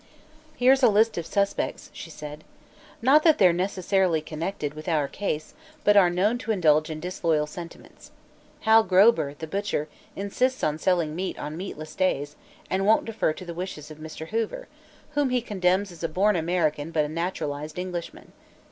"Here's a list of suspects," she said. "Not that they're necessarily connected with our case, but are known to indulge in disloyal sentiments. Hal Grober, the butcher, insists on selling meat on meatless days and won't defer to the wishes of Mr. Hoover, whom he condemns as a born American but a naturalized Englishmen.